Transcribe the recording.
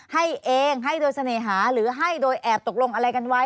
ให้เองให้โดยเสน่หาหรือให้โดยแอบตกลงอะไรกันไว้